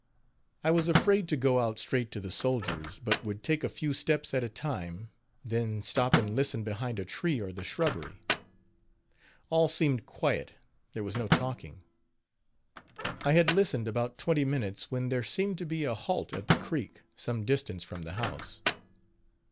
I was afraid to go out straight to the soldiers, but would take a few steps at a time, then stop and listen behind a tree or the shrubbery. All seemed quiet there was no talking. I had listened about twenty minutes when there seemed to be a halt at the creek, some distance from the house.